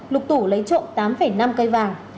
lục tủ lấy trộm tám năm cây vàng